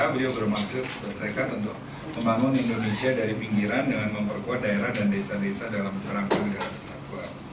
beliau bermaksud bertekad untuk membangun indonesia dari pinggiran dengan memperkuat daerah dan desa desa dalam kerangka negara kesatuan